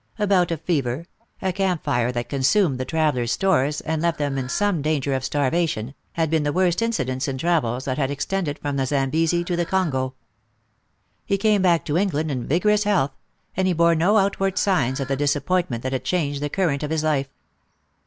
A bout of fever, a camp fire that consumed the travellers' stores, and left them in some danger of starvation, had been the worst incidents in travels that had extended from the Zambesi to the Congo. He came back to England in vigorous health, and he bore no outward signs of the disappointment that had changed the current of his life.